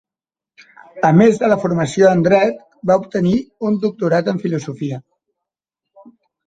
A més de la formació en Dret, va obtenir un doctorat en Filosofia.